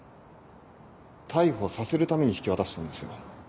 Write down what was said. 逮捕させるために引き渡したんですよ？